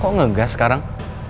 kok ngegas sekarang